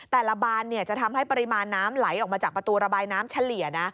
บานจะทำให้ปริมาณน้ำไหลออกมาจากประตูระบายน้ำเฉลี่ยนะ